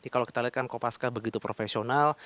kalau kita lihat kan kopaska begitu profesional